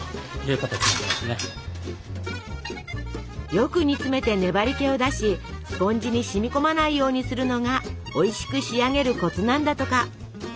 よく煮詰めて粘りけを出しスポンジに染みこまないようにするのがおいしく仕上げるコツなんだとか。